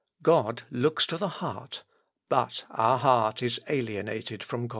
God looks to the heart, but our heart is alienated from God."